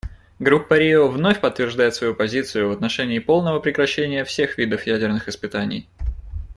Группа Рио вновь подтверждает свою позицию в отношении полного прекращения всех видов ядерных испытаний.